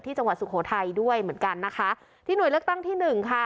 จังหวัดสุโขทัยด้วยเหมือนกันนะคะที่หน่วยเลือกตั้งที่หนึ่งค่ะ